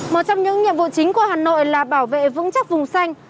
một trong những nhiệm vụ chính của hà nội là bảo vệ vững chắc vùng xanh